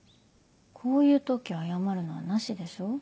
こういう時謝るのはなしでしょ。